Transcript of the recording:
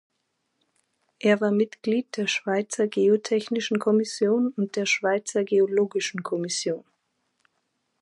Er war Mitglied der Schweizer Geotechnischen Kommission und der Schweizer Geologischen Kommission.